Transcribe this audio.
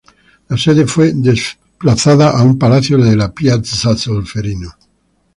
La sede fue desplazada a un palacio de piazza Solferino.